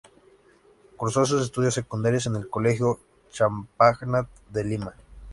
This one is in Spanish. Cursó sus estudios secundarios en el Colegio Champagnat de Lima.